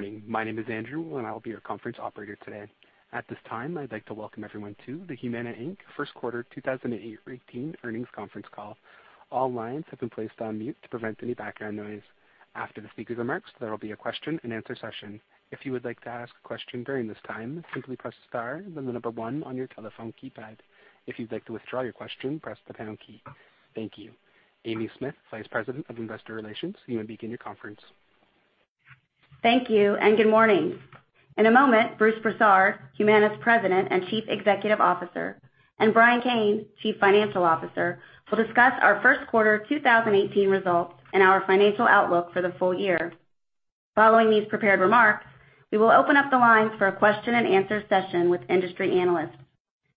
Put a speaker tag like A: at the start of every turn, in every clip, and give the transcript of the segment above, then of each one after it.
A: Good morning. My name is Andrew, and I will be your conference operator today. At this time, I'd like to welcome everyone to the Humana Inc. First Quarter 2018 Earnings Conference Call. All lines have been placed on mute to prevent any background noise. After the speakers' remarks, there will be a question and answer session. If you would like to ask a question during this time, simply press star, then the number one on your telephone keypad. If you'd like to withdraw your question, press the pound key. Thank you. Amy Smith, Vice President of Investor Relations, you may begin your conference.
B: Thank you, and good morning. In a moment, Bruce Broussard, Humana's President and Chief Executive Officer, and Brian Kane, Chief Financial Officer, will discuss our first quarter 2018 results and our financial outlook for the full year. Following these prepared remarks, we will open up the lines for a question and answer session with industry analysts.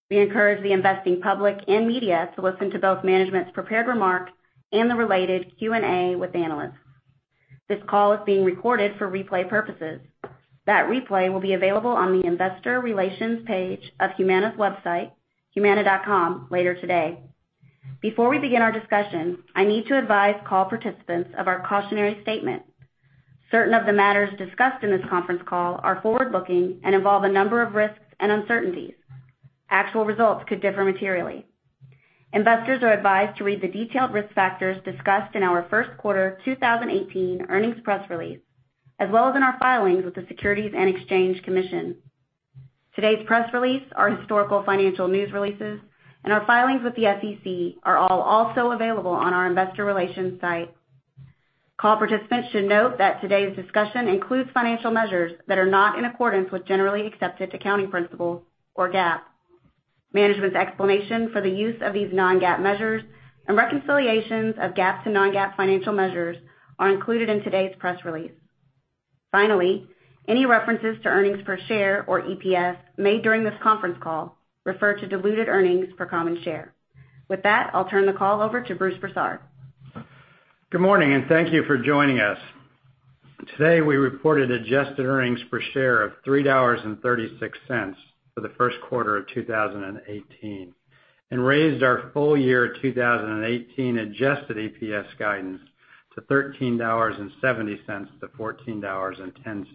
B: We encourage the investing public and media to listen to both management's prepared remarks and the related Q&A with analysts. This call is being recorded for replay purposes. That replay will be available on the investor relations page of humana's website, humana.com, later today. Before we begin our discussion, I need to advise call participants of our cautionary statement. Certain of the matters discussed in this conference call are forward-looking and involve a number of risks and uncertainties. Actual results could differ materially. Investors are advised to read the detailed risk factors discussed in our first quarter 2018 earnings press release, as well as in our filings with the Securities and Exchange Commission. Today's press release, our historical financial news releases, and our filings with the SEC are all also available on our investor relations site. Call participants should note that today's discussion includes financial measures that are not in accordance with generally accepted accounting principles, or GAAP. Management's explanation for the use of these non-GAAP measures and reconciliations of GAAP to non-GAAP financial measures are included in today's press release. Finally, any references to earnings per share, or EPS, made during this conference call refer to diluted earnings per common share. With that, I'll turn the call over to Bruce Broussard.
C: Good morning, and thank you for joining us. Today, we reported adjusted earnings per share of $3.36 for the first quarter of 2018 and raised our full year 2018 adjusted EPS guidance to $13.70 to $14.10.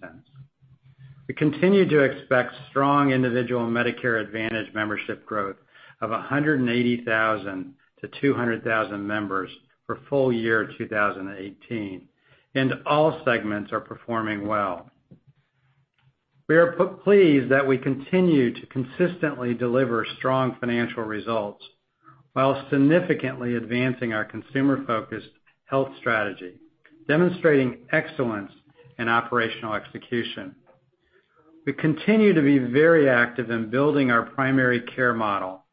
C: We continue to expect strong individual Medicare Advantage membership growth of 180,000 to 200,000 members for full year 2018, and all segments are performing well. We are pleased that we continue to consistently deliver strong financial results while significantly advancing our consumer-focused health strategy, demonstrating excellence in operational execution. We continue to be very active in building our primary care model.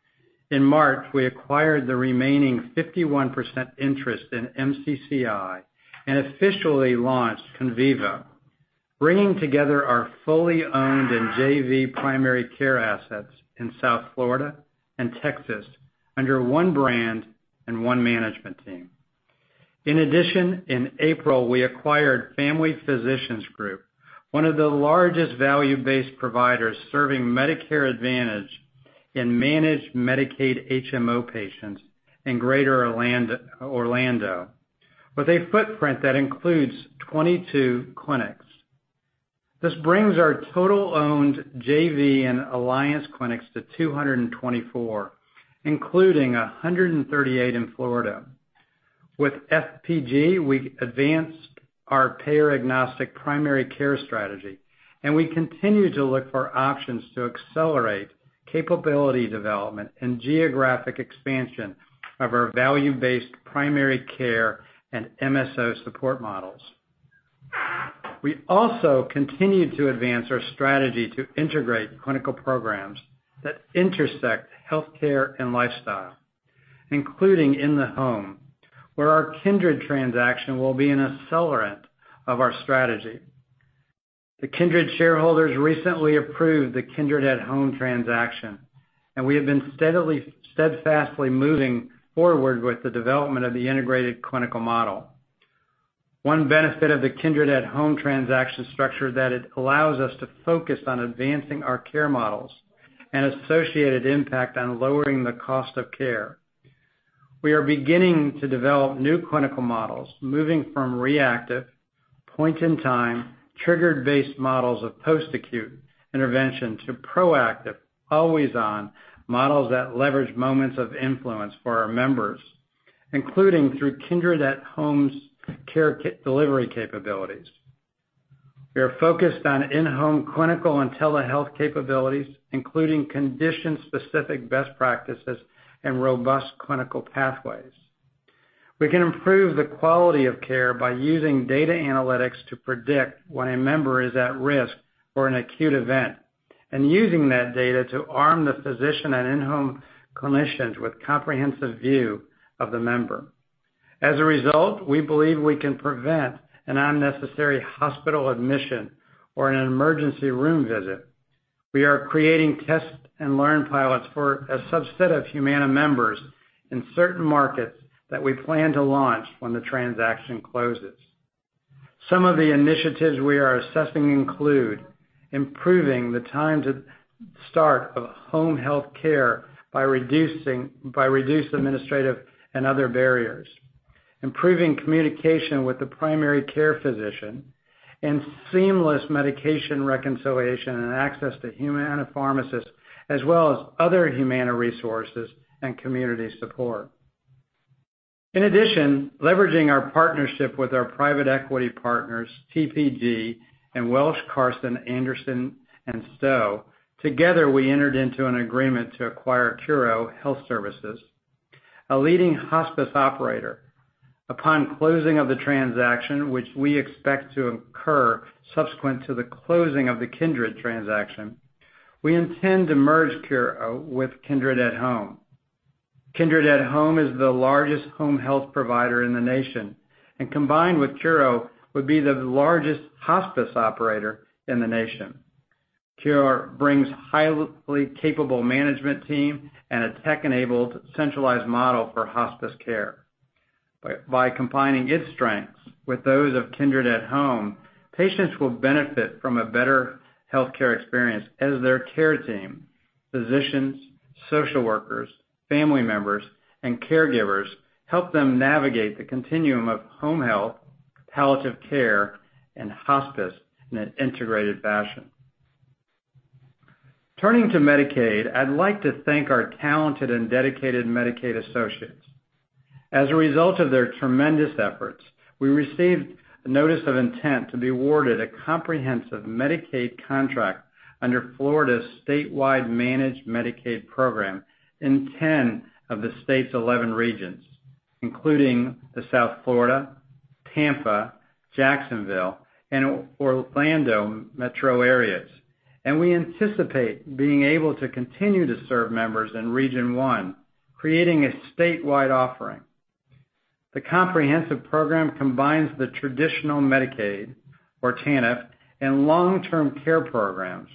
C: In March, we acquired the remaining 51% interest in MCCI and officially launched Conviva, bringing together our fully owned and JV primary care assets in South Florida and Texas under one brand and one management team. In addition, in April, we acquired Family Physicians Group, one of the largest value-based providers serving Medicare Advantage and managed Medicaid HMO patients in greater Orlando, with a footprint that includes 22 clinics. This brings our total owned JV and alliance clinics to 224, including 138 in Florida. With FPG, we advanced our payer-agnostic primary care strategy, and we continue to look for options to accelerate capability development and geographic expansion of our value-based primary care and MSO support models. We also continue to advance our strategy to integrate clinical programs that intersect healthcare and lifestyle, including in the home, where our Kindred transaction will be an accelerant of our strategy. The Kindred shareholders recently approved the Kindred at Home transaction, and we have been steadfastly moving forward with the development of the integrated clinical model. One benefit of the Kindred at Home transaction structure is that it allows us to focus on advancing our care models and associated impact on lowering the cost of care. We are beginning to develop new clinical models, moving from reactive, point-in-time, triggered-based models of post-acute intervention to proactive, always-on models that leverage moments of influence for our members, including through Kindred at Home's care delivery capabilities. We are focused on in-home clinical and telehealth capabilities, including condition-specific best practices and robust clinical pathways. We can improve the quality of care by using data analytics to predict when a member is at risk for an acute event and using that data to arm the physician and in-home clinicians with a comprehensive view of the member. As a result, we believe we can prevent an unnecessary hospital admission or an emergency room visit. We are creating test and learn pilots for a subset of Humana members in certain markets that we plan to launch when the transaction closes. Some of the initiatives we are assessing include improving the time to start of home health care by reduced administrative and other barriers, improving communication with the primary care physician, and seamless medication reconciliation and access to Humana pharmacists, as well as other Humana resources and community support. In addition, leveraging our partnership with our private equity partners, TPG and Welsh, Carson, Anderson & Stowe, together, we entered into an agreement to acquire Curo Health Services, a leading hospice operator. Upon closing of the transaction, which we expect to occur subsequent to the closing of the Kindred transaction, we intend to merge Curo with Kindred at Home. Kindred at Home is the largest home health provider in the nation, and combined with Curo, would be the largest hospice operator in the nation. Curo brings highly capable management team and a tech-enabled centralized model for hospice care. By combining its strengths with those of Kindred at Home, patients will benefit from a better healthcare experience as their care team, physicians, social workers, family members, and caregivers help them navigate the continuum of home health, palliative care, and hospice in an integrated fashion. Turning to Medicaid, I'd like to thank our talented and dedicated Medicaid associates. As a result of their tremendous efforts, we received a notice of intent to be awarded a comprehensive Medicaid contract under Florida's statewide managed Medicaid program in 10 of the state's 11 regions, including the South Florida, Tampa, Jacksonville, and Orlando metro areas. We anticipate being able to continue to serve members in Region 1, creating a statewide offering. The comprehensive program combines the traditional Medicaid, or TANF, and long-term care programs.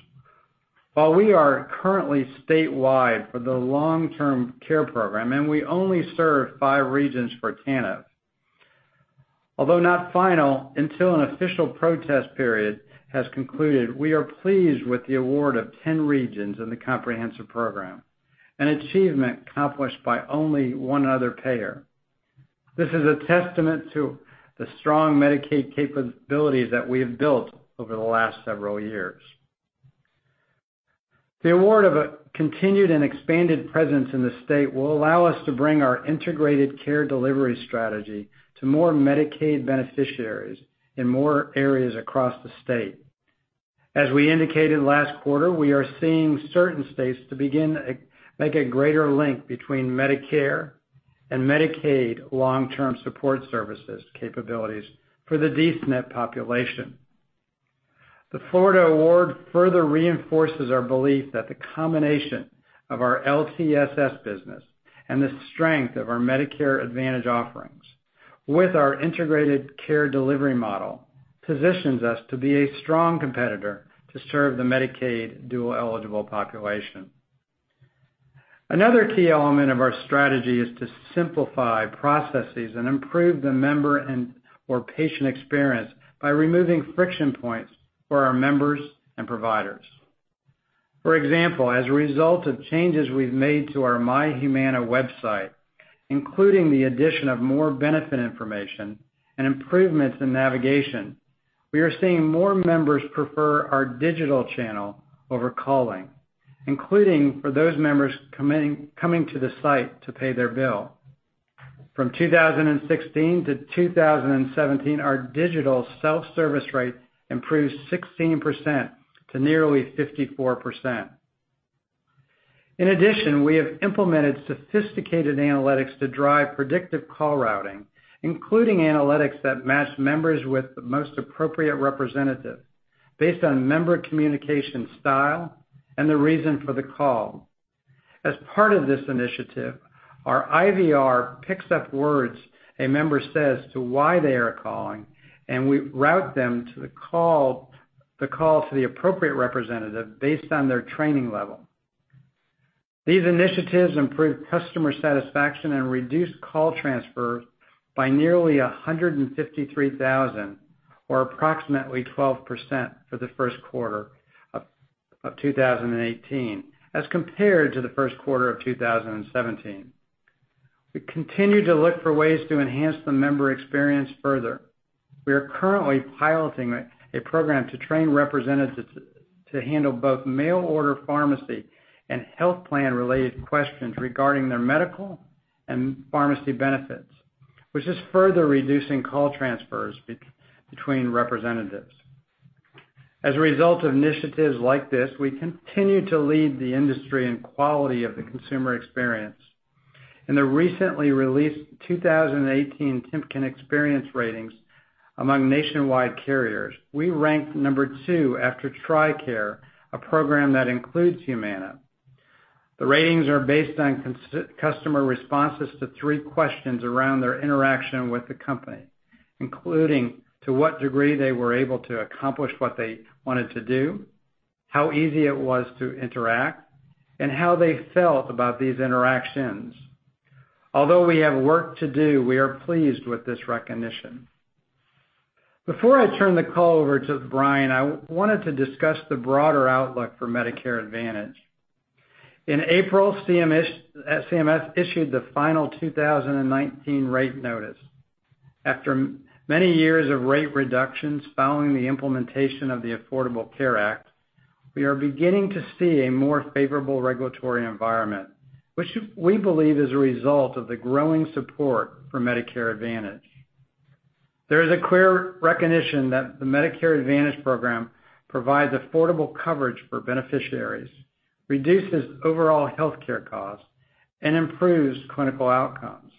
C: While we are currently statewide for the long-term care program, we only serve 5 regions for TANF. Although not final until an official protest period has concluded, we are pleased with the award of 10 regions in the comprehensive program, an achievement accomplished by only one other payer. This is a testament to the strong Medicaid capabilities that we have built over the last several years. The award of a continued and expanded presence in the state will allow us to bring our integrated care delivery strategy to more Medicaid beneficiaries in more areas across the state. As we indicated last quarter, we are seeing certain states to begin make a greater link between Medicare and Medicaid long-term support services capabilities for the D-SNP population. The Florida award further reinforces our belief that the combination of our LTSS business and the strength of our Medicare Advantage offerings with our integrated care delivery model positions us to be a strong competitor to serve the Medicaid dual-eligible population. Another key element of our strategy is to simplify processes and improve the member or patient experience by removing friction points for our members and providers. For example, as a result of changes we've made to our MyHumana website, including the addition of more benefit information and improvements in navigation, we are seeing more members prefer our digital channel over calling, including for those members coming to the site to pay their bill. From 2016 to 2017, our digital self-service rate improved 16% to nearly 54%. In addition, we have implemented sophisticated analytics to drive predictive call routing, including analytics that match members with the most appropriate representative based on member communication style and the reason for the call. As part of this initiative, our IVR picks up words a member says to why they are calling, and we route them to the call to the appropriate representative based on their training level. These initiatives improve customer satisfaction and reduce call transfers by nearly 153,000, or approximately 12% for the first quarter of 2018 as compared to the first quarter of 2017. We continue to look for ways to enhance the member experience further. We are currently piloting a program to train representatives to handle both mail order pharmacy and health plan related questions regarding their medical and pharmacy benefits, which is further reducing call transfers between representatives. As a result of initiatives like this, we continue to lead the industry in quality of the consumer experience. In the recently released 2018 Temkin Experience Ratings among nationwide carriers, we ranked number 2 after TRICARE, a program that includes Humana. The ratings are based on customer responses to three questions around their interaction with the company, including to what degree they were able to accomplish what they wanted to do, how easy it was to interact, and how they felt about these interactions. Although we have work to do, we are pleased with this recognition. Before I turn the call over to Brian, I wanted to discuss the broader outlook for Medicare Advantage. In April, CMS issued the final 2019 rate notice. After many years of rate reductions following the implementation of the Affordable Care Act, we are beginning to see a more favorable regulatory environment, which we believe is a result of the growing support for Medicare Advantage. There is a clear recognition that the Medicare Advantage program provides affordable coverage for beneficiaries, reduces overall healthcare costs, and improves clinical outcomes.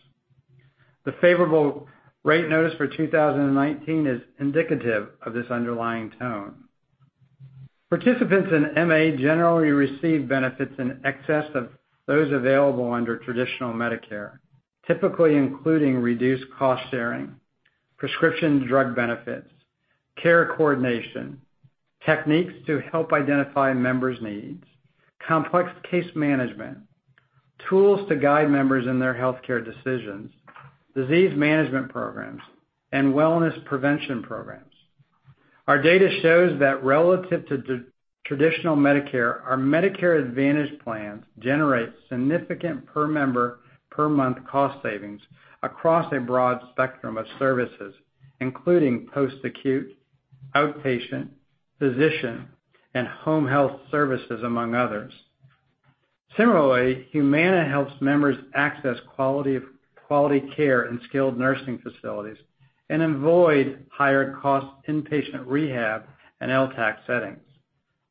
C: The favorable rate notice for 2019 is indicative of this underlying tone. Participants in MA generally receive benefits in excess of those available under traditional Medicare, typically including reduced cost-sharing, prescription drug benefits, care coordination, techniques to help identify members' needs, complex case management, tools to guide members in their healthcare decisions, disease management programs, and wellness prevention programs. Our data shows that relative to traditional Medicare, our Medicare Advantage plans generate significant per member per month cost savings across a broad spectrum of services, including post-acute, outpatient, physician, and home health services, among others. Similarly, Humana helps members access quality care in skilled nursing facilities and avoid higher-cost inpatient rehab and LTAC settings.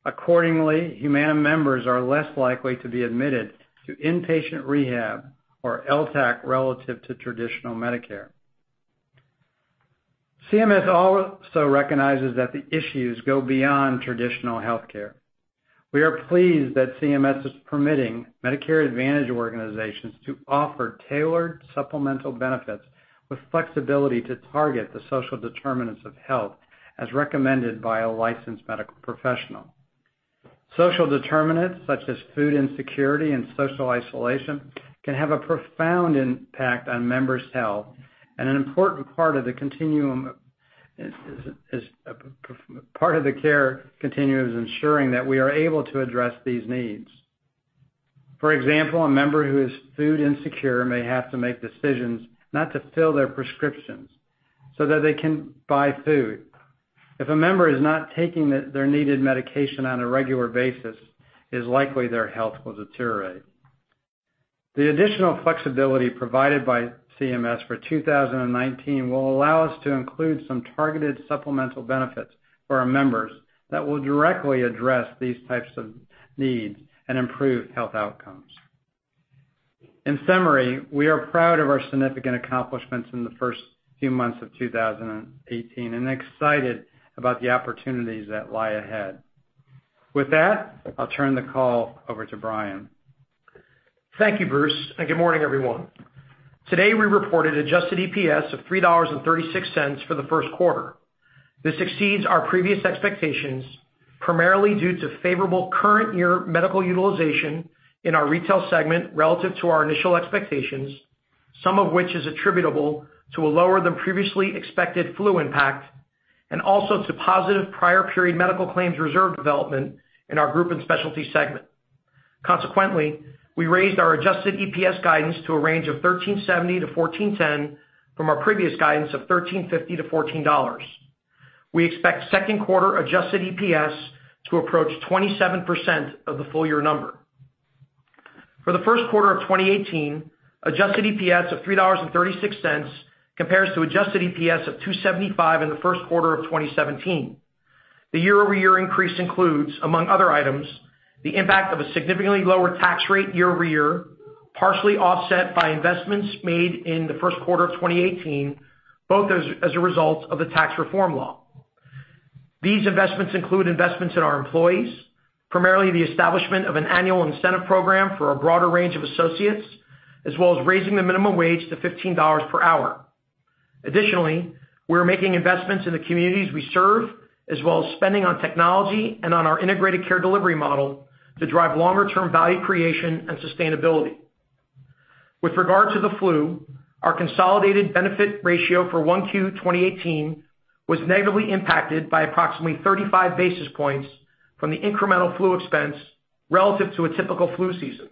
C: Accordingly, Humana members are less likely to be admitted to inpatient rehab or LTAC relative to traditional Medicare. CMS also recognizes that the issues go beyond traditional healthcare. We are pleased that CMS is permitting Medicare Advantage organizations to offer tailored supplemental benefits with flexibility to target the social determinants of health as recommended by a licensed medical professional. Social determinants such as food insecurity and social isolation can have a profound impact on members' health, and an important part of the care continuum is ensuring that we are able to address these needs. For example, a member who is food insecure may have to make decisions not to fill their prescriptions so that they can buy food. If a member is not taking their needed medication on a regular basis, it is likely their health will deteriorate. The additional flexibility provided by CMS for 2019 will allow us to include some targeted supplemental benefits for our members that will directly address these types of needs and improve health outcomes. In summary, we are proud of our significant accomplishments in the first few months of 2018 and excited about the opportunities that lie ahead. With that, I'll turn the call over to Brian.
D: Thank you, Bruce, and good morning, everyone. Today, we reported adjusted EPS of $3.36 for the first quarter. This exceeds our previous expectations, primarily due to favorable current year medical utilization in our Retail segment relative to our initial expectations, some of which is attributable to a lower than previously expected flu impact, and also to positive prior period medical claims reserve development in our Group and Specialty segment. Consequently, we raised our adjusted EPS guidance to a range of $13.70-$14.10 from our previous guidance of $13.50-$14. We expect second quarter adjusted EPS to approach 27% of the full-year number. For the first quarter of 2018, adjusted EPS of $3.36 compares to adjusted EPS of $2.75 in the first quarter of 2017. The year-over-year increase includes, among other items, the impact of a significantly lower tax rate year-over-year, partially offset by investments made in the first quarter of 2018, both as a result of the tax reform law. These investments include investments in our employees, primarily the establishment of an annual incentive program for a broader range of associates, as well as raising the minimum wage to $15 per hour. Additionally, we are making investments in the communities we serve, as well as spending on technology and on our integrated care delivery model to drive longer-term value creation and sustainability. With regard to the flu, our consolidated benefit ratio for Q1 2018 was negatively impacted by approximately 35 basis points from the incremental flu expense relative to a typical flu season.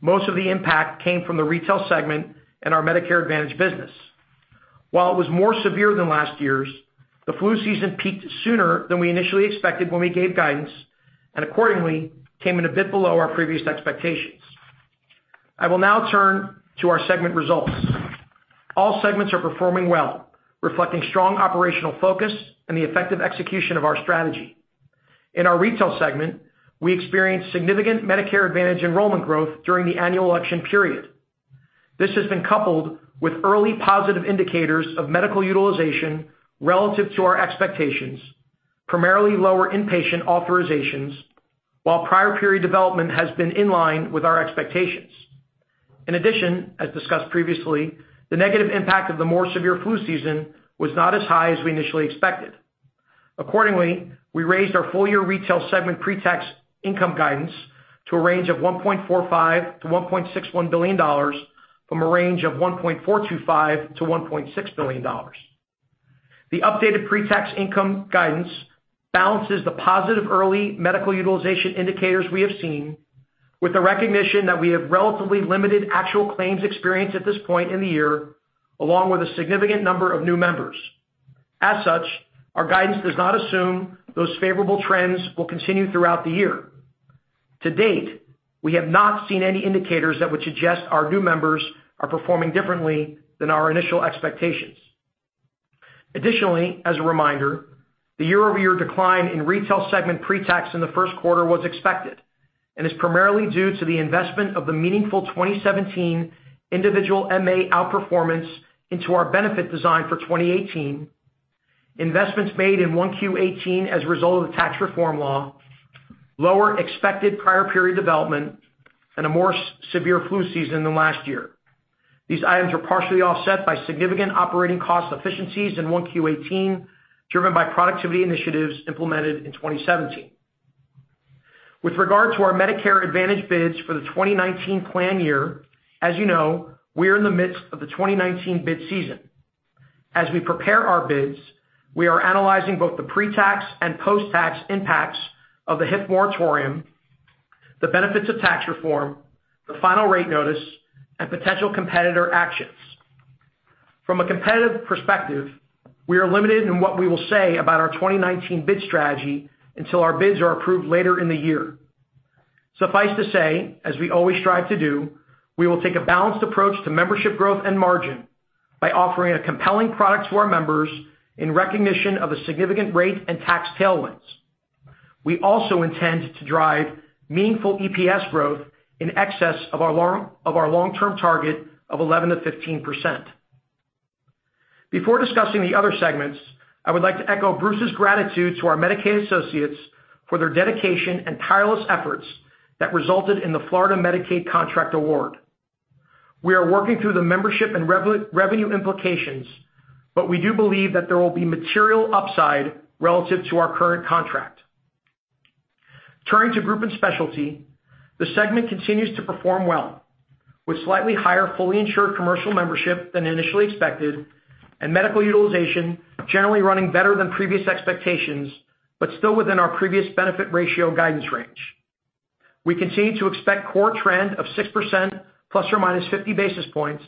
D: Most of the impact came from the Retail segment and our Medicare Advantage business. While it was more severe than last year's, the flu season peaked sooner than we initially expected when we gave guidance and accordingly, came in a bit below our previous expectations. I will now turn to our segment results. All segments are performing well, reflecting strong operational focus and the effective execution of our strategy. In our Retail segment, we experienced significant Medicare Advantage enrollment growth during the annual election period. This has been coupled with early positive indicators of medical utilization relative to our expectations, primarily lower inpatient authorizations, while prior period development has been in line with our expectations. In addition, as discussed previously, the negative impact of the more severe flu season was not as high as we initially expected. Accordingly, we raised our full-year Retail segment pre-tax income guidance to a range of $1.45 billion-$1.61 billion from a range of $1.425 billion-$1.6 billion. The updated pre-tax income guidance balances the positive early medical utilization indicators we have seen with the recognition that we have relatively limited actual claims experience at this point in the year, along with a significant number of new members. As such, our guidance does not assume those favorable trends will continue throughout the year. To date, we have not seen any indicators that would suggest our new members are performing differently than our initial expectations. Additionally, as a reminder, the year-over-year decline in Retail segment pre-tax in the first quarter was expected and is primarily due to the investment of the meaningful 2017 individual MA outperformance into our benefit design for 2018, investments made in 1Q18 as a result of the tax reform law, lower expected prior period development, and a more severe flu season than last year. These items are partially offset by significant operating cost efficiencies in 1Q18, driven by productivity initiatives implemented in 2017. With regard to our Medicare Advantage bids for the 2019 plan year, as you know, we are in the midst of the 2019 bid season. As we prepare our bids, we are analyzing both the pre-tax and post-tax impacts of the HIF moratorium, the benefits of tax reform, the final rate notice, and potential competitor actions. From a competitive perspective, we are limited in what we will say about our 2019 bid strategy until our bids are approved later in the year. Suffice to say, as we always strive to do, we will take a balanced approach to membership growth and margin by offering a compelling product to our members in recognition of the significant rate and tax tailwinds. We also intend to drive meaningful EPS growth in excess of our long-term target of 11%-15%. Before discussing the other segments, I would like to echo Bruce's gratitude to our Medicaid associates for their dedication and tireless efforts that resulted in the Florida Medicaid contract award. We are working through the membership and revenue implications, but we do believe that there will be material upside relative to our current contract. Turning to Group and Specialty, the segment continues to perform well, with slightly higher fully insured commercial membership than initially expected, and medical utilization generally running better than previous expectations, but still within our previous benefit ratio guidance range. We continue to expect core trend of 6% ±50 basis points,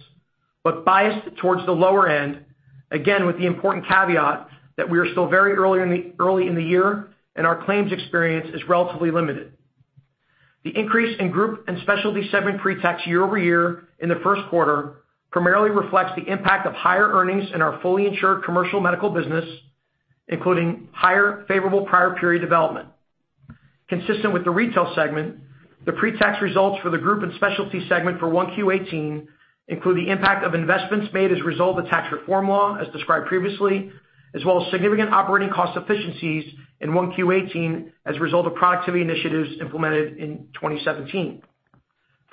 D: but biased towards the lower end, again, with the important caveat that we are still very early in the year, and our claims experience is relatively limited. The increase in Group and Specialty segment pre-tax year-over-year in the first quarter primarily reflects the impact of higher earnings in our fully insured commercial medical business, including higher favorable prior period development. Consistent with the Retail Segment, the pre-tax results for the Group and Specialty segment for 1Q18 include the impact of investments made as a result of tax reform law, as described previously, as well as significant operating cost efficiencies in 1Q18 as a result of productivity initiatives implemented in 2017.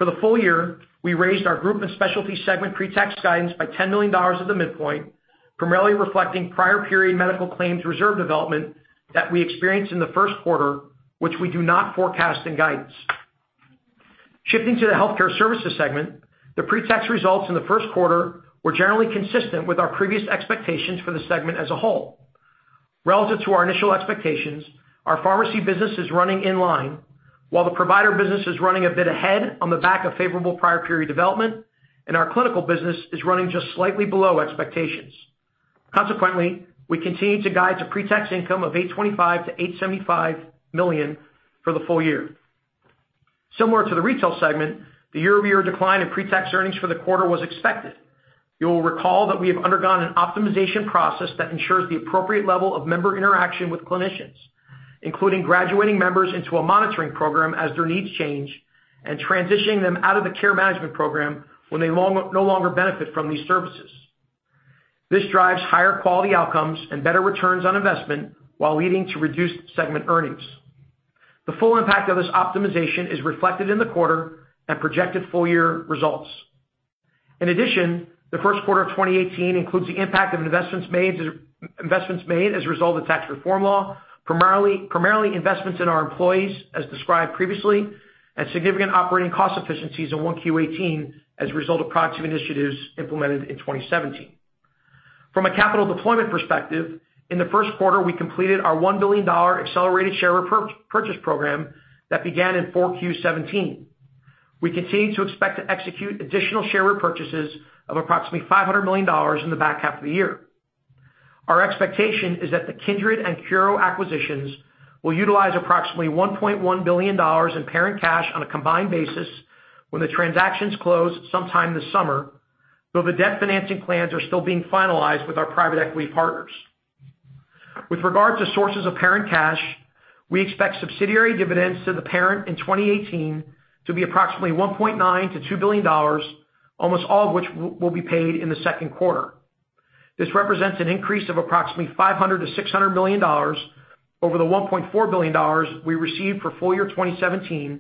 D: For the full year, we raised our Group and Specialty segment pre-tax guidance by $10 million at the midpoint, primarily reflecting prior period medical claims reserve development that we experienced in the first quarter, which we do not forecast in guidance. Shifting to the Healthcare Services Segment, the pre-tax results in the first quarter were generally consistent with our previous expectations for the segment as a whole. Relative to our initial expectations, our pharmacy business is running in line, while the provider business is running a bit ahead on the back of favorable prior period development, and our clinical business is running just slightly below expectations. Consequently, we continue to guide to pre-tax income of $825 million-$875 million for the full year. Similar to the Retail Segment, the year-over-year decline in pre-tax earnings for the quarter was expected. You will recall that we have undergone an optimization process that ensures the appropriate level of member interaction with clinicians, including graduating members into a monitoring program as their needs change and transitioning them out of the care management program when they no longer benefit from these services. This drives higher quality outcomes and better returns on investment while leading to reduced segment earnings. The full impact of this optimization is reflected in the quarter and projected full-year results. In addition, the first quarter of 2018 includes the impact of investments made as a result of tax reform law, primarily investments in our employees as described previously, and significant operating cost efficiencies in 1Q18 as a result of productivity initiatives implemented in 2017. From a capital deployment perspective, in the first quarter, we completed our $1 billion accelerated share repurchase program that began in 4Q17. We continue to expect to execute additional share repurchases of approximately $500 million in the back half of the year. Our expectation is that the Kindred and Curo acquisitions will utilize approximately $1.1 billion in parent cash on a combined basis when the transactions close sometime this summer, though the debt financing plans are still being finalized with our private equity partners. With regard to sources of parent cash, we expect subsidiary dividends to the parent in 2018 to be approximately $1.9 billion-$2 billion, almost all of which will be paid in the second quarter. This represents an increase of approximately $500 million-$600 million over the $1.4 billion we received for full-year 2017.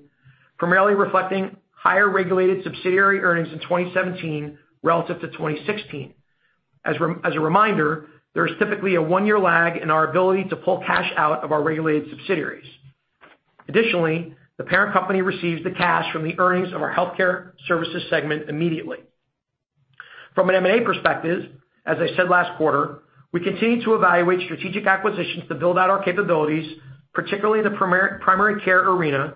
D: Primarily reflecting higher regulated subsidiary earnings in 2017 relative to 2016. As a reminder, there is typically a one-year lag in our ability to pull cash out of our regulated subsidiaries. Additionally, the parent company receives the cash from the earnings of our healthcare services segment immediately. From an M&A perspective, as I said last quarter, we continue to evaluate strategic acquisitions to build out our capabilities, particularly in the primary care arena,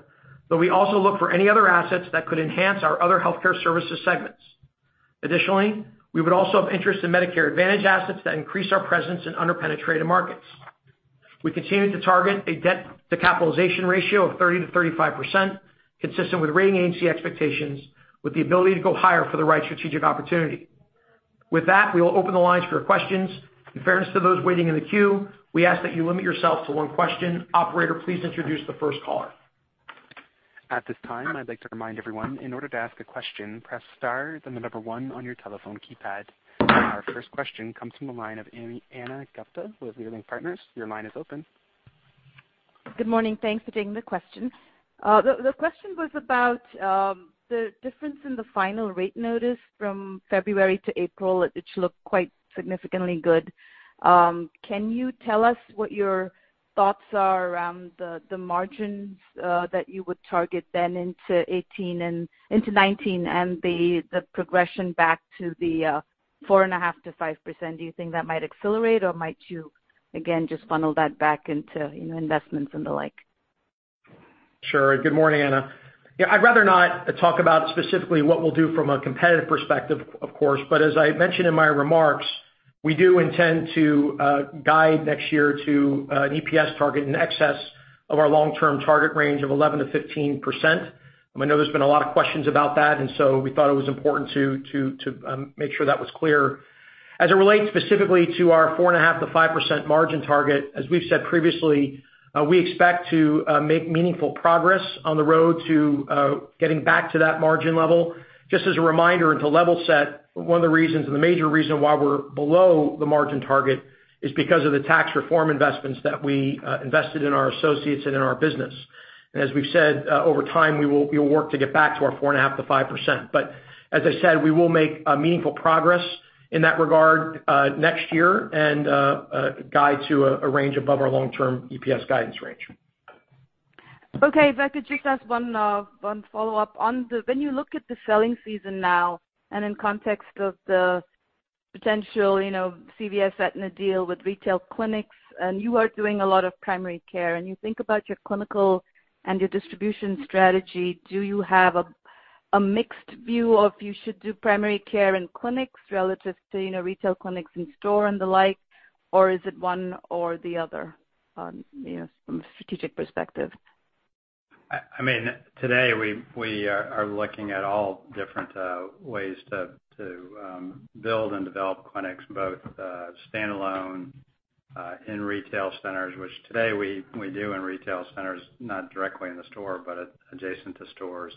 D: but we also look for any other assets that could enhance our other healthcare services segments. Additionally, we would also have interest in Medicare Advantage assets that increase our presence in under-penetrated markets. We continue to target a debt-to-capitalization ratio of 30%-35%, consistent with rating agency expectations, with the ability to go higher for the right strategic opportunity. With that, we will open the lines for your questions. In fairness to those waiting in the queue, we ask that you limit yourself to one question. Operator, please introduce the first caller.
A: At this time, I'd like to remind everyone, in order to ask a question, press star then the number 1 on your telephone keypad. Our first question comes from the line of Ana Gupte with Leerink Partners. Your line is open.
E: Good morning. Thanks for taking the question. The question was about the difference in the final rate notice from February to April, which looked quite significantly good. Can you tell us what your thoughts are around the margins that you would target then into 2018 and into 2019, and the progression back to the 4.5%-5%? Do you think that might accelerate, or might you, again, just funnel that back into investments and the like?
D: Good morning, Ana. I'd rather not talk about specifically what we'll do from a competitive perspective, of course. As I mentioned in my remarks, we do intend to guide next year to an EPS target in excess of our long-term target range of 11%-15%. I know there's been a lot of questions about that, we thought it was important to make sure that was clear. As it relates specifically to our 4.5%-5% margin target, as we've said previously, we expect to make meaningful progress on the road to getting back to that margin level. Just as a reminder and to level set, one of the reasons, the major reason why we're below the margin target is because of the tax reform investments that we invested in our associates and in our business. As we've said, over time, we will work to get back to our 4.5%-5%. As I said, we will make meaningful progress in that regard next year, guide to a range above our long-term EPS guidance range.
E: Okay. If I could just ask one follow-up. When you look at the selling season now, in context of the potential CVS Aetna deal with retail clinics, you are doing a lot of primary care, you think about your clinical and your distribution strategy, do you have a mixed view of you should do primary care in clinics relative to retail clinics in store and the like? Is it one or the other from a strategic perspective?
C: Today, we are looking at all different ways to build and develop clinics, both standalone, in retail centers, which today we do in retail centers, not directly in the store, but adjacent to stores.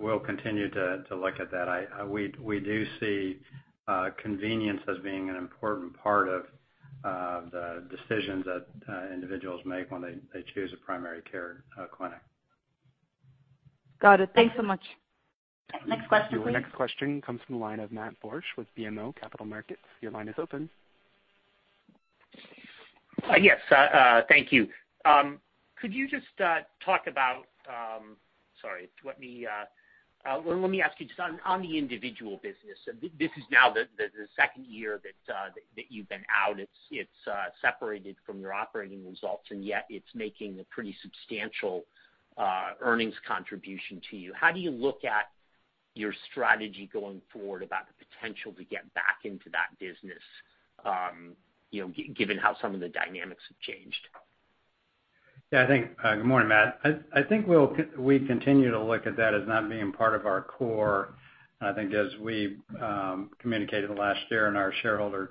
C: We'll continue to look at that. We do see convenience as being an important part of the decisions that individuals make when they choose a primary care clinic.
E: Got it. Thanks so much.
D: Next question, please.
A: Your next question comes from the line of Matthew Borsch with BMO Capital Markets. Your line is open.
F: Yes. Thank you. Sorry. Let me ask you just on the individual business. This is now the second year that you've been out. It's separated from your operating results. Yet it's making a pretty substantial earnings contribution to you. How do you look at your strategy going forward about the potential to get back into that business, given how some of the dynamics have changed?
C: Good morning, Matt. I think we continue to look at that as not being part of our core. I think as we communicated last year in our shareholder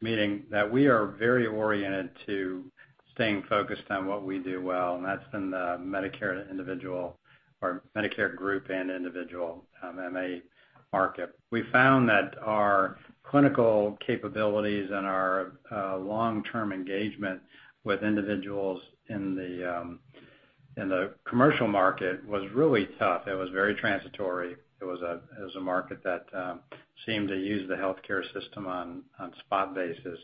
C: meeting, that we are very oriented to staying focused on what we do well, and that's in the Medicare individual or Medicare group and individual MA market. We found that our clinical capabilities and our long-term engagement with individuals in the commercial market was really tough. It was very transitory. It was a market that seemed to use the healthcare system on spot basis.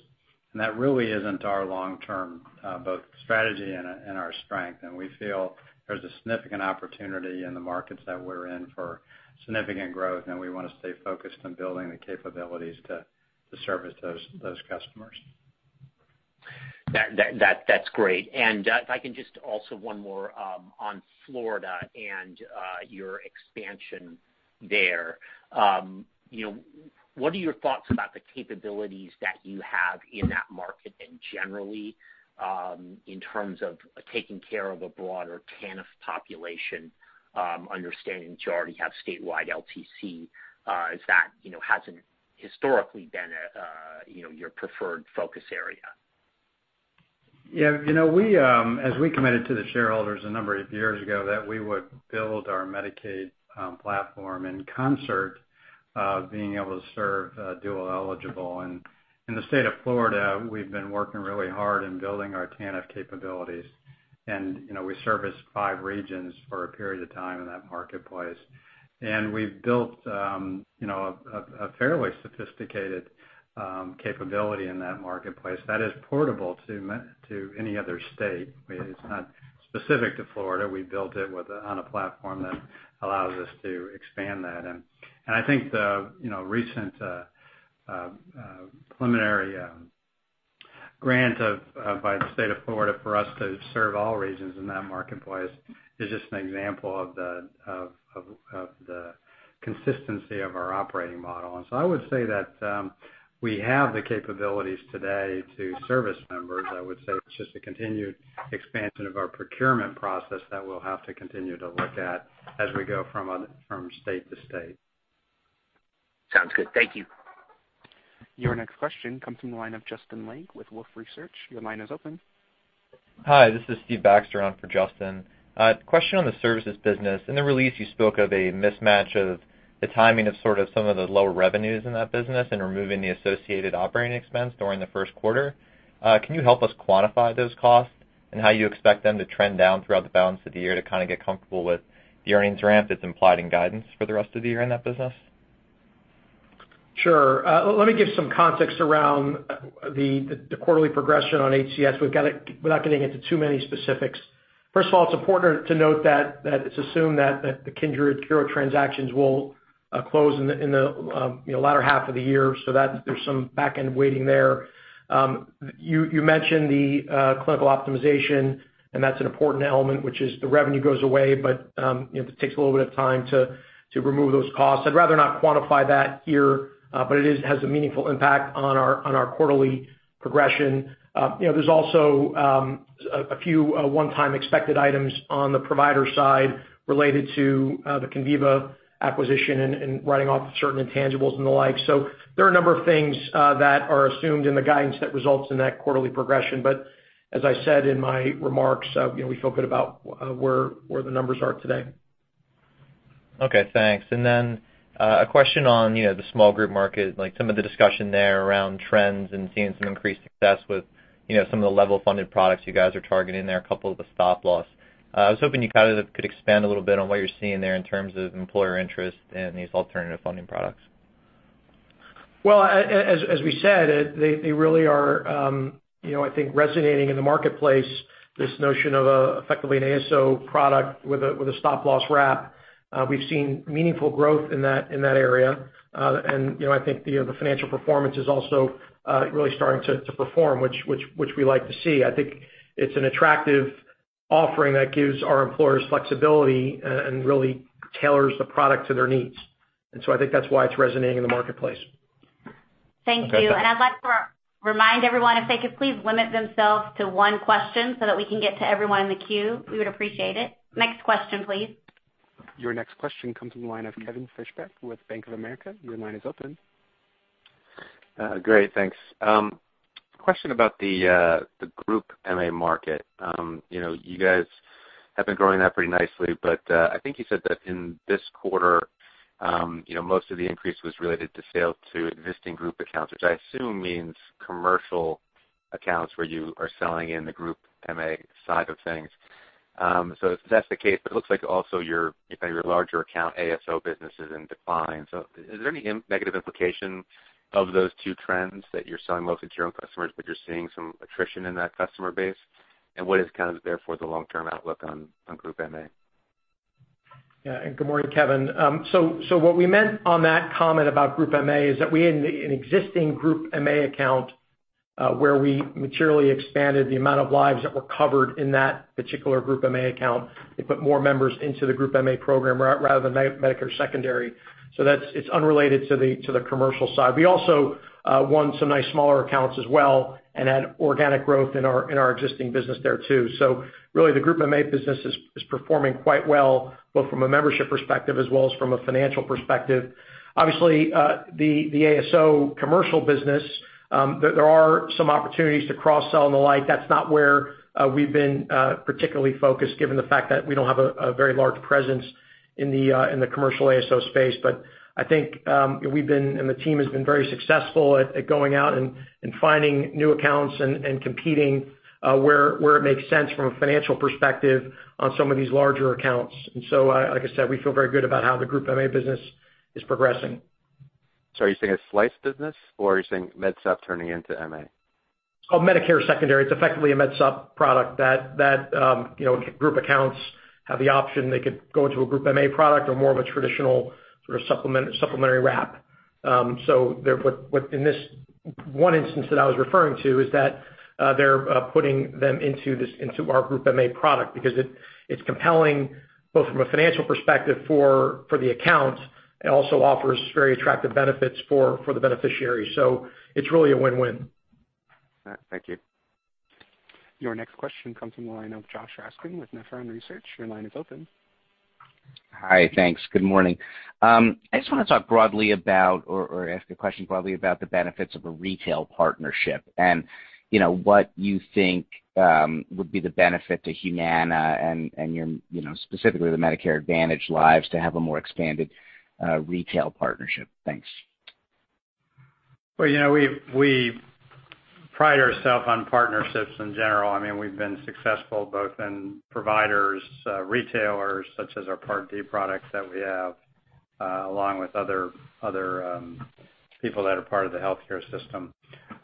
C: That really isn't our long-term both strategy and our strength. We feel there's a significant opportunity in the markets that we're in for significant growth, and we want to stay focused on building the capabilities to service those customers.
F: That's great. If I can just also one more on Florida and your expansion there. What are your thoughts about the capabilities that you have in that market and generally, in terms of taking care of a broader TANF population, understanding you already have statewide LTC, as that hasn't historically been your preferred focus area?
C: Yeah. As we committed to the shareholders a number of years ago, that we would build our Medicaid platform in concert, being able to serve dual eligible. In the state of Florida, we've been working really hard in building our TANF capabilities, and we serviced five regions for a period of time in that marketplace. We've built a fairly sophisticated capability in that marketplace that is portable to any other state. It's not specific to Florida. We built it on a platform that allows us to expand that. I think the recent preliminary grant by the state of Florida for us to serve all regions in that marketplace is just an example of the consistency of our operating model. I would say that we have the capabilities today to service members. I would say it's just a continued expansion of our procurement process that we'll have to continue to look at as we go from state to state.
F: Sounds good. Thank you.
A: Your next question comes from the line of Justin Lake with Wolfe Research. Your line is open.
G: Hi, this is Stephen Baxter on for Justin. Question on the services business. In the release, you spoke of a mismatch of the timing of sort of some of the lower revenues in that business and removing the associated operating expense during the first quarter. Can you help us quantify those costs and how you expect them to trend down throughout the balance of the year to kind of get comfortable with the earnings ramp that's implied in guidance for the rest of the year in that business?
D: Sure. Let me give some context around the quarterly progression on HCS without getting into too many specifics. First of all, it's important to note that it's assumed that the Kindred/Curo transactions will close in the latter half of the year. There's some back end waiting there. You mentioned the clinical optimization, and that's an important element, which is the revenue goes away, but it takes a little bit of time to remove those costs. I'd rather not quantify that here, but it has a meaningful impact on our quarterly progression. There's also a few one-time expected items on the provider side related to the Conviva acquisition and writing off certain intangibles and the like. There are a number of things that are assumed in the guidance that results in that quarterly progression. As I said in my remarks, we feel good about where the numbers are today.
G: Okay, thanks. A question on the small group market, like some of the discussion there around trends and seeing some increased success with some of the level-funded products you guys are targeting there, coupled with the stop loss. I was hoping you could expand a little bit on what you're seeing there in terms of employer interest in these alternative funding products.
D: As we said, they really are I think resonating in the marketplace, this notion of effectively an ASO product with a stop loss wrap. We've seen meaningful growth in that area. I think the financial performance is also really starting to perform, which we like to see. I think it's an attractive offering that gives our employers flexibility and really tailors the product to their needs. I think that's why it's resonating in the marketplace.
G: Okay.
B: Thank you. I'd like to remind everyone, if they could please limit themselves to one question so that we can get to everyone in the queue, we would appreciate it. Next question, please.
A: Your next question comes from the line of Kevin Fischbeck with Bank of America. Your line is open.
H: Great. Thanks. Question about the Group MA market. You guys have been growing that pretty nicely, but I think you said that in this quarter most of the increase was related to sales to existing group accounts, which I assume means commercial accounts where you are selling in the Group MA side of things. If that's the case, it looks like also your larger account ASO business is in decline. Is there any negative implication of those two trends, that you're selling mostly to your own customers, but you're seeing some attrition in that customer base? What is kind of therefore the long-term outlook on Group MA?
D: Yeah. Good morning, Kevin. What we meant on that comment about Group MA is that we had an existing Group MA account, where we materially expanded the amount of lives that were covered in that particular Group MA account. They put more members into the Group MA program rather than Medicare Secondary. It's unrelated to the commercial side. We also won some nice smaller accounts as well and had organic growth in our existing business there, too. Really, the Group MA business is performing quite well, both from a membership perspective as well as from a financial perspective. Obviously, the ASO commercial business, there are some opportunities to cross-sell and the like. That's not where we've been particularly focused given the fact that we don't have a very large presence in the commercial ASO space. I think we've been, and the team has been very successful at going out and finding new accounts and competing where it makes sense from a financial perspective on some of these larger accounts. Like I said, we feel very good about how the Group MA business is progressing.
H: Are you saying it's slice business, or are you saying MedSup turning into MA?
D: It's called Medicare Secondary. It's effectively a MedSup product that group accounts have the option. They could go into a Group MA product or more of a traditional sort of supplementary wrap. In this one instance that I was referring to is that they're putting them into our Group MA product because it's compelling both from a financial perspective for the account and also offers very attractive benefits for the beneficiary. It's really a win-win.
H: All right. Thank you.
A: Your next question comes from the line of Joshua Raskin with Nephron Research. Your line is open.
I: Hi, thanks. Good morning. I just want to talk broadly about, or ask a question broadly about the benefits of a retail partnership and what you think would be the benefit to Humana and specifically the Medicare Advantage lives to have a more expanded retail partnership. Thanks.
C: Well, we pride ourselves on partnerships in general. We've been successful both in providers, retailers, such as our Part D products that we have, along with other people that are part of the healthcare system.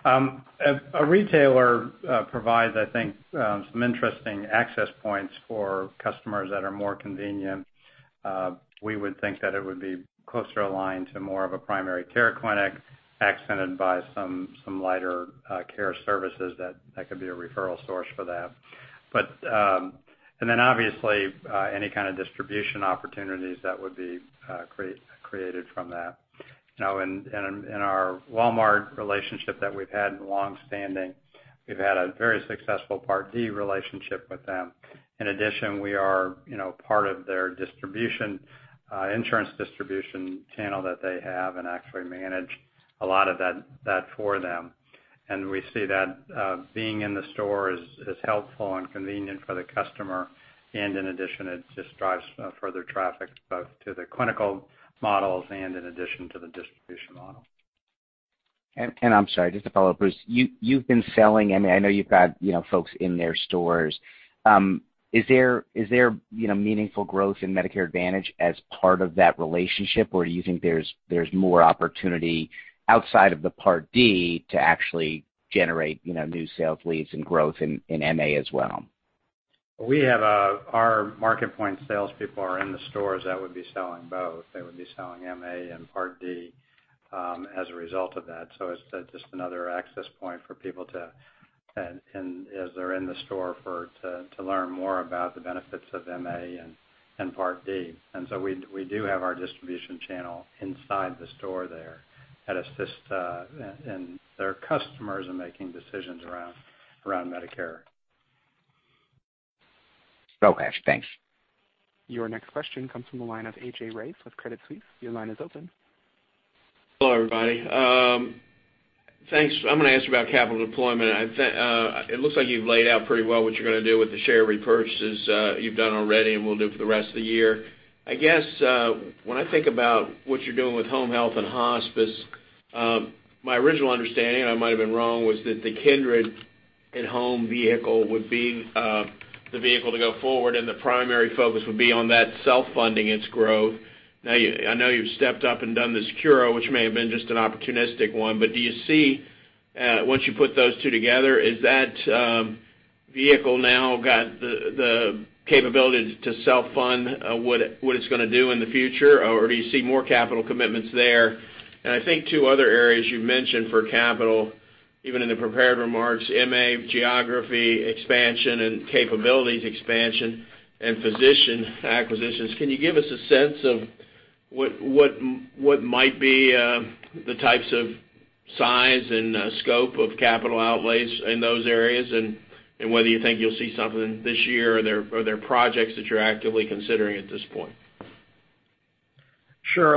C: A retailer provides, I think, some interesting access points for customers that are more convenient. We would think that it would be closer aligned to more of a primary care clinic, accented by some lighter care services that could be a referral source for that. Obviously, any kind of distribution opportunities that would be created from that. In our Walmart relationship that we've had longstanding, we've had a very successful Part D relationship with them. In addition, we are part of their insurance distribution channel that they have and actually manage a lot of that for them. We see that being in the store is helpful and convenient for the customer, and in addition, it just drives further traffic both to the clinical models and in addition to the distribution model.
I: I'm sorry, just to follow up, Bruce. You've been selling, I know you've got folks in their stores. Is there meaningful growth in Medicare Advantage as part of that relationship, or do you think there's more opportunity outside of the Part D to actually generate new sales leads and growth in MA as well?
C: Our Humana MarketPoint salespeople are in the stores that would be selling both. They would be selling MA and Part D as a result of that. It's just another access point for people as they're in the store to learn more about the benefits of MA and Part D. We do have our distribution channel inside the store there that assists, and their customers are making decisions around Medicare.
I: Okay, thanks.
A: Your next question comes from the line of A.J. Rice with Credit Suisse. Your line is open.
J: Hello, everybody. Thanks. I'm going to ask you about capital deployment. It looks like you've laid out pretty well what you're going to do with the share repurchases you've done already and will do for the rest of the year. I guess, when I think about what you're doing with home health and hospice, my original understanding, and I might have been wrong, was that the Kindred at Home vehicle would be the vehicle to go forward, and the primary focus would be on that self-funding its growth. Now, I know you've stepped up and done the Curo, which may have been just an opportunistic one, but do you see, once you put those two together, is that vehicle now got the capability to self-fund what it's going to do in the future? Or do you see more capital commitments there? I think two other areas you've mentioned for capital, even in the prepared remarks, MA geography expansion and capabilities expansion and physician acquisitions. Can you give us a sense of what might be the types of size and scope of capital outlays in those areas, and whether you think you'll see something this year? Are there projects that you're actively considering at this point?
D: Sure.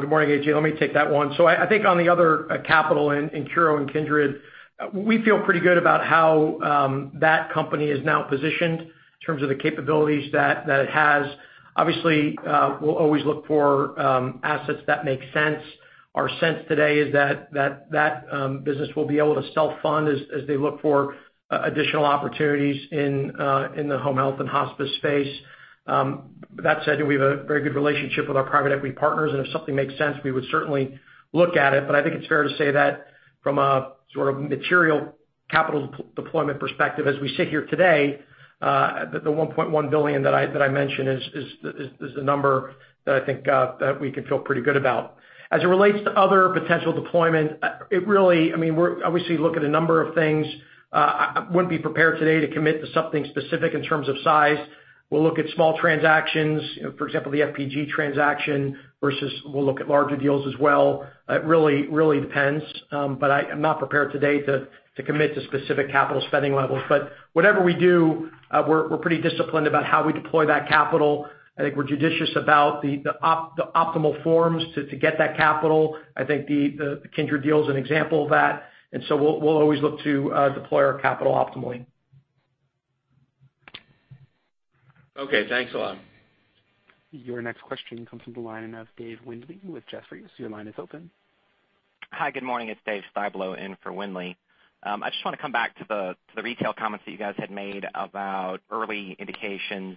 D: Good morning, A.J. Let me take that one. I think on the other capital in Curo and Kindred, we feel pretty good about how that company is now positioned in terms of the capabilities that it has. Obviously, we'll always look for assets that make sense. Our sense today is that that business will be able to self-fund as they look for additional opportunities in the home health and hospice space. That said, we have a very good relationship with our private equity partners, and if something makes sense, we would certainly look at it. I think it's fair to say that from a material capital deployment perspective, as we sit here today, the $1.1 billion that I mentioned is the number that I think that we can feel pretty good about. As it relates to other potential deployment, obviously, you look at a number of things. I wouldn't be prepared today to commit to something specific in terms of size. We'll look at small transactions, for example, the FPG transaction, versus we'll look at larger deals as well. It really depends, I'm not prepared today to commit to specific capital spending levels. Whatever we do, we're pretty disciplined about how we deploy that capital. I think we're judicious about the optimal forms to get that capital. I think the Kindred deal is an example of that, we'll always look to deploy our capital optimally.
J: Okay, thanks a lot.
A: Your next question comes from the line of David Windley with Jefferies. Your line is open.
K: Hi, good morning. It's Dave Styblo in for Windley. I just want to come back to the retail comments that you guys had made about early indications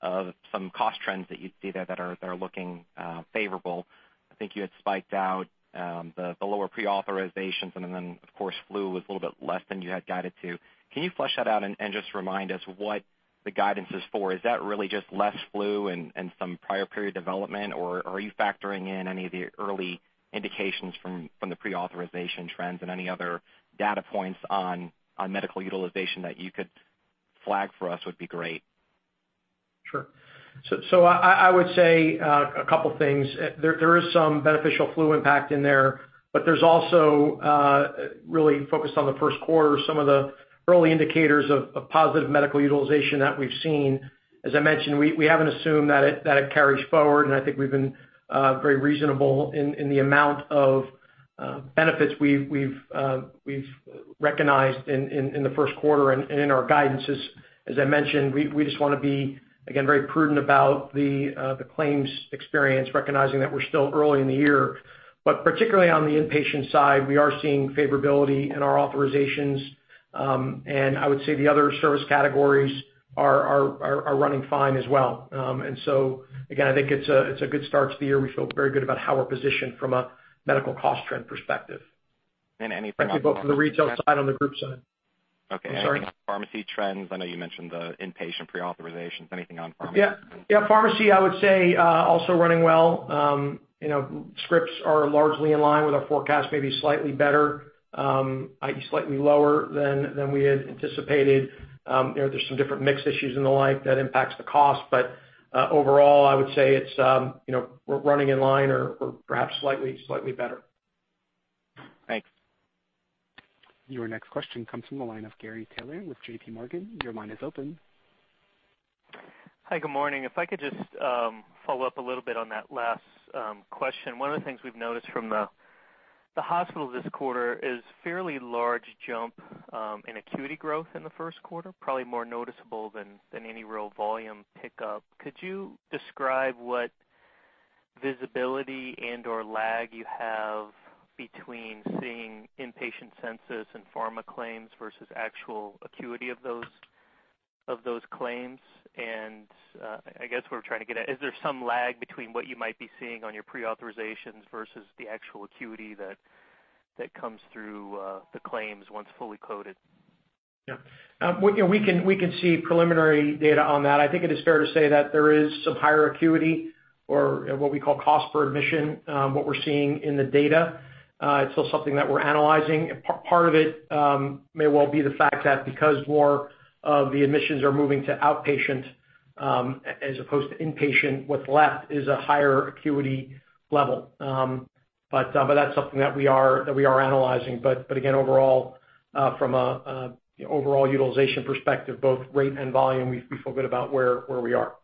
K: of some cost trends that you see there that are looking favorable. I think you had spiked out the lower pre-authorizations, and then, of course, flu was a little bit less than you had guided to. Can you flesh that out and just remind us what the guidance is for? Is that really just less flu and some prior period development, or are you factoring in any of the early indications from the pre-authorization trends and any other data points on medical utilization that you could flag for us would be great?
D: Sure. I would say a couple things. There is some beneficial flu impact in there's also, really focused on the first quarter, some of the early indicators of positive medical utilization that we've seen. As I mentioned, we haven't assumed that it carries forward, and I think we've been very reasonable in the amount of benefits we've recognized in the first quarter and in our guidances. As I mentioned, we just want to be, again, very prudent about the claims experience, recognizing that we're still early in the year. Particularly on the inpatient side, we are seeing favorability in our authorizations. I would say the other service categories are running fine as well. Again, I think it's a good start to the year. We feel very good about how we're positioned from a medical cost trend perspective.
K: Anything on-
D: Both from the retail side and the group side. I'm sorry?
K: Okay. Anything on pharmacy trends? I know you mentioned the inpatient pre-authorizations. Anything on pharmacy?
D: Yeah. Pharmacy, I would say, also running well. Scripts are largely in line with our forecast, maybe slightly better, slightly lower than we had anticipated. There's some different mix issues and the like that impacts the cost. Overall, I would say we're running in line or perhaps slightly better.
K: Thanks.
A: Your next question comes from the line of Gary Taylor with JPMorgan. Your line is open.
L: Hi, good morning. If I could just follow up a little bit on that last question. One of the things we've noticed from the hospital this quarter is fairly large jump in acuity growth in the first quarter, probably more noticeable than any real volume pickup. Could you describe what visibility and/or lag you have between seeing inpatient census and pharma claims versus actual acuity of those claims? I guess what we're trying to get at, is there some lag between what you might be seeing on your pre-authorizations versus the actual acuity that comes through the claims once fully coded?
D: Yeah. We can see preliminary data on that. I think it is fair to say that there is some higher acuity or what we call cost per admission, what we're seeing in the data. It's still something that we're analyzing. Part of it may well be the fact that because more of the admissions are moving to outpatient, as opposed to inpatient, what's left is a higher acuity level. That's something that we are analyzing. Again, from an overall utilization perspective, both rate and volume, we feel good about where we are.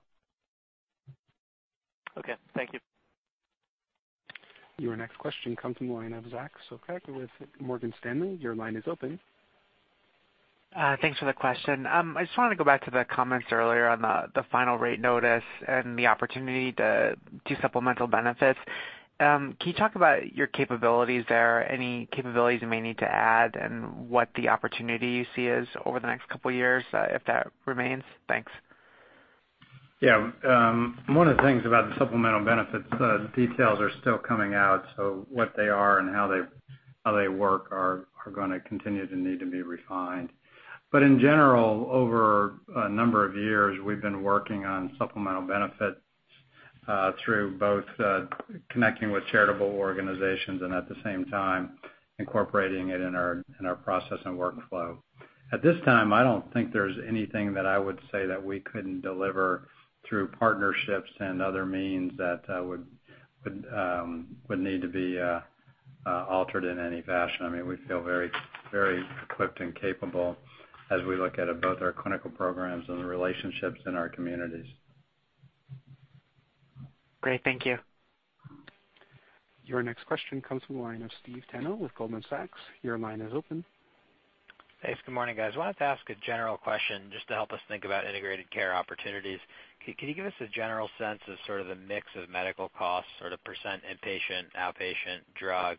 L: Okay. Thank you.
A: Your next question comes from the line of Zack Sopcak with Morgan Stanley. Your line is open.
M: Thanks for the question. I just wanted to go back to the comments earlier on the final rate notice and the opportunity to do supplemental benefits. Can you talk about your capabilities there, any capabilities you may need to add, and what the opportunity you see is over the next couple of years, if that remains? Thanks.
C: Yeah. One of the things about the supplemental benefits, the details are still coming out, so what they are and how they work are going to continue to need to be refined. In general, over a number of years, we've been working on supplemental benefits through both connecting with charitable organizations and at the same time incorporating it in our process and workflow. At this time, I don't think there's anything that I would say that we couldn't deliver through partnerships and other means that would need to be altered in any fashion. We feel very equipped and capable as we look at both our clinical programs and the relationships in our communities.
M: Great. Thank you.
A: Your next question comes from the line of Stephen Tanal with Goldman Sachs. Your line is open.
N: Thanks. Good morning, guys. Wanted to ask a general question just to help us think about integrated care opportunities. Can you give us a general sense of sort of the mix of medical costs, sort of % inpatient, outpatient, drug?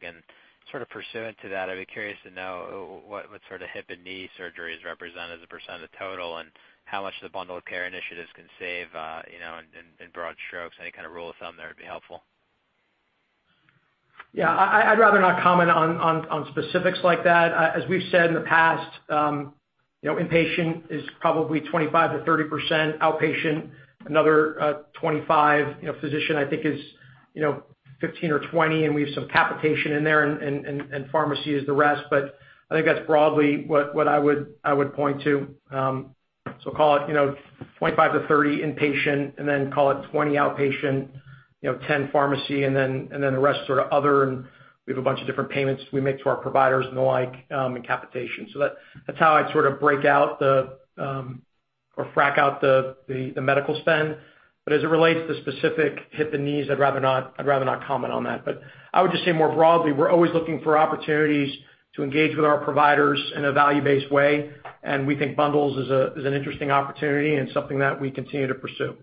N: Sort of pursuant to that, I'd be curious to know what sort of hip and knee surgeries represent as a % of total, and how much the bundle of care initiatives can save, in broad strokes, any kind of rule of thumb there would be helpful.
D: Yeah. I'd rather not comment on specifics like that. As we've said in the past, inpatient is probably 25%-30%, outpatient another 25%, physician, I think, is 15% or 20%, and we have some capitation in there, and pharmacy is the rest. I think that's broadly what I would point to. Call it 25%-30% inpatient, call it 20% outpatient, 10% pharmacy, and the rest sort of other, and we have a bunch of different payments we make to our providers and the like, and capitation. That's how I'd sort of break out the, or frack out the medical spend. As it relates to specific hip and knees, I'd rather not comment on that. I would just say more broadly, we're always looking for opportunities to engage with our providers in a value-based way, and we think bundles is an interesting opportunity and something that we continue to pursue.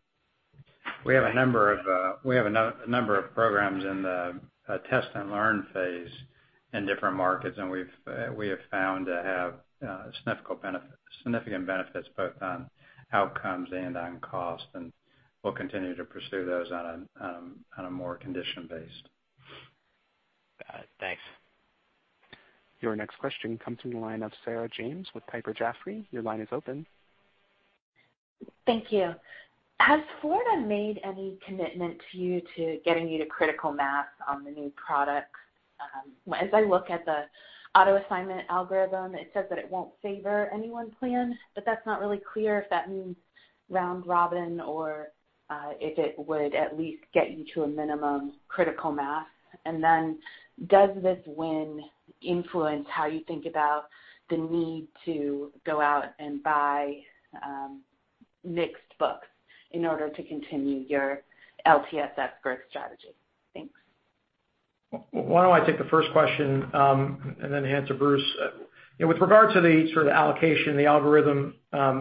C: We have a number of programs in the test and learn phase in different markets, and we have found to have significant benefits both on outcomes and on cost, and we'll continue to pursue those on a more condition-based.
N: Got it. Thanks.
A: Your next question comes from the line of Sarah James with Piper Jaffray. Your line is open.
O: Thank you. Has Florida made any commitment to you to getting you to critical mass on the new products? As I look at the auto assignment algorithm, it says that it won't favor any one plan, but that's not really clear if that means round robin or if it would at least get you to a minimum critical mass. Then does this win influence how you think about the need to go out and buy mixed books in order to continue your LTSS growth strategy? Thanks.
D: Why don't I take the first question, and then answer Bruce. With regard to the sort of allocation, the algorithm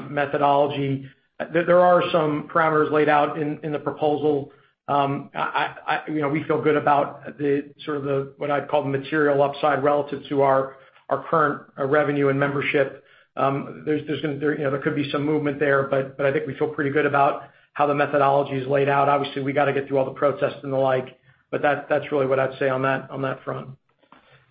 D: methodology, there are some parameters laid out in the proposal. We feel good about the sort of what I'd call the material upside relative to our current revenue and membership. There could be some movement there, but I think we feel pretty good about how the methodology is laid out. Obviously, we got to get through all the protests and the like, but that's really what I'd say on that front.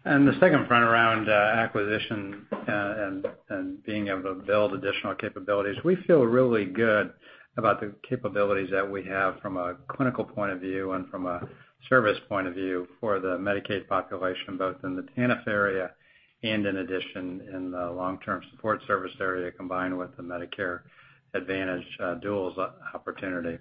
C: The second front around acquisition and being able to build additional capabilities, we feel really good about the capabilities that we have from a clinical point of view and from a service point of view for the Medicaid population, both in the TANF area and in addition in the long-term support service area, combined with the Medicare Advantage duals opportunity.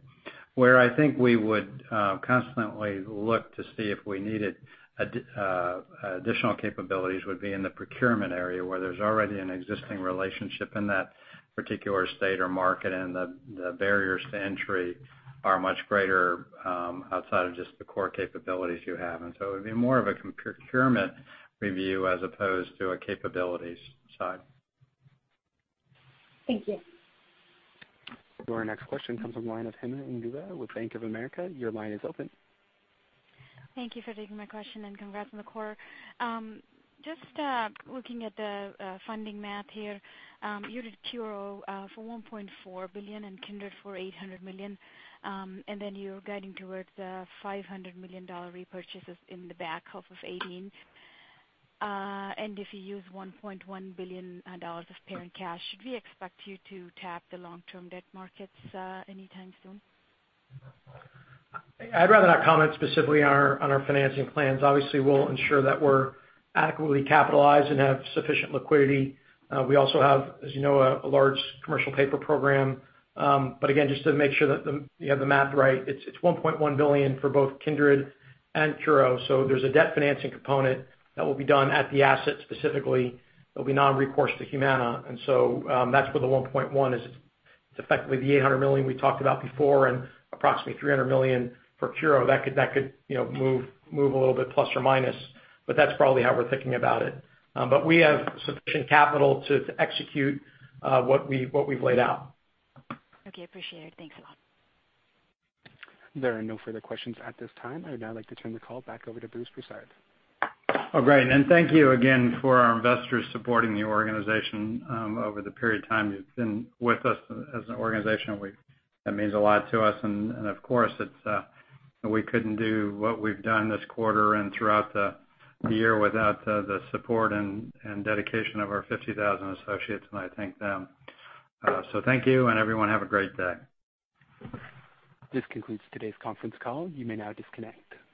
C: Where I think we would constantly look to see if we needed additional capabilities would be in the procurement area, where there's already an existing relationship in that particular state or market, and the barriers to entry are much greater outside of just the core capabilities you have. So it would be more of a procurement review as opposed to a capabilities side.
O: Thank you.
A: Your next question comes from the line of Kevin Fischbeck with Bank of America. Your line is open.
H: Thank you for taking my question. Congrats on the quarter. Just looking at the funding math here. You did Curo for $1.4 billion and Kindred for $800 million, then you're guiding towards $500 million repurchases in the back half of 2018. If you use $1.1 billion of parent cash, should we expect you to tap the long-term debt markets anytime soon?
D: I'd rather not comment specifically on our financing plans. Obviously, we'll ensure that we're adequately capitalized and have sufficient liquidity. We also have, as you know, a large commercial paper program. Again, just to make sure that you have the math right, it's $1.1 billion for both Kindred and Curo. There's a debt financing component that will be done at the asset specifically, it'll be non-recourse to Humana. That's where the 1.1 is. It's effectively the $800 million we talked about before and approximately $300 million for Curo. That could move a little bit plus or minus, but that's probably how we're thinking about it. We have sufficient capital to execute what we've laid out.
H: Okay, appreciate it. Thanks a lot.
A: There are no further questions at this time. I'd now like to turn the call back over to Bruce Broussard.
C: Oh, great. Thank you again for our investors supporting the organization over the period of time you've been with us as an organization. That means a lot to us. Of course, we couldn't do what we've done this quarter and throughout the year without the support and dedication of our 50,000 associates, and I thank them. Thank you. Everyone have a great day.
A: This concludes today's conference call. You may now disconnect.